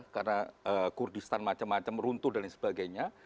karena kurdistan macem macem runtuh dan lain sebagainya